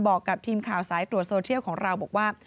บอกกับทีมข่าวสายตรวจโซเทียลของเราบอกว่า